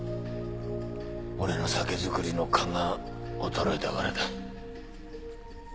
俺の酒造りの勘が衰えたからだ。